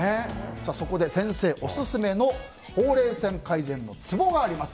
そこで、先生オススメのほうれい線改善のツボがあります。